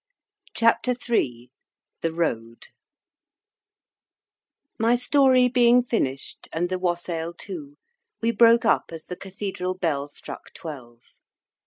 CHAPTER III THE ROAD My story being finished, and the Wassail too, we broke up as the Cathedral bell struck Twelve.